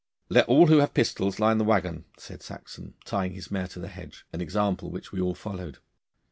'Let all who have pistols line the waggon,' said Saxon, tying his mare to the hedge an example which we all followed.